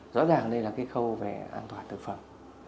rõ ràng đây là cái khâu về an toàn thực phẩm